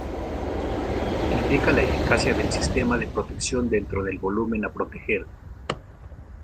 Indica la eficacia del sistema de protección dentro del volumen a proteger.